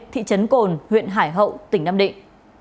thị trấn cồn huyện hải hậu tỉnh nam định